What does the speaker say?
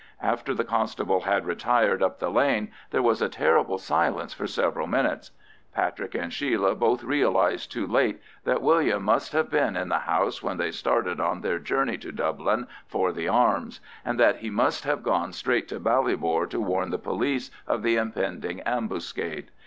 After the constable had retired up the lane there was a terrible silence for several minutes. Patrick and Sheila both realised too late that William must have been in the house when they started on their journey to Dublin for the arms, and that he must have gone straight to Ballybor to warn the police of the impending ambuscade.